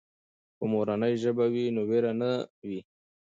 که مورنۍ ژبه وي نو وېره نه وي.